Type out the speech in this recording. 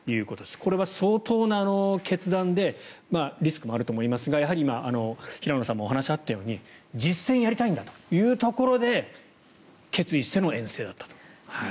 これは相当な決断でリスクもあると思いますがやはり平野さんもお話があったように実戦をやりたいんだというところで決意しての遠征だったと。